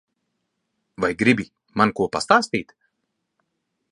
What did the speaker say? Vai gribi man ko pastāstīt?